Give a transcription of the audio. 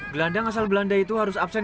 gelandang asal belanda itu harus absen